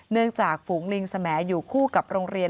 เนื่องจากฝูงลิงแสมแอยู่คู่กับโรงเรียน